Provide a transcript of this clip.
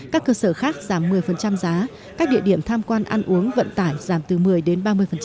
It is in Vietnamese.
các cơ sở khác giảm một mươi giá các địa điểm tham quan ăn uống vận tải giảm từ một mươi đến ba mươi